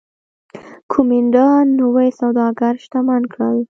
کومېنډا نوي سوداګر شتمن کړل